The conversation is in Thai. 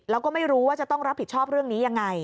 แล้วก็ไม่รู้ว่าจะต้องรับผิดชอบเรื่องนี้ยังไง